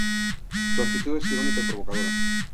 Su actitud es irónica y provocadora.